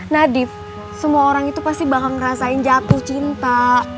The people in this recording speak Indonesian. nadief semua orang itu pasti bakal ngerasain jatuh cinta